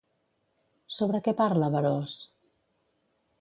Sobre què parla Berós?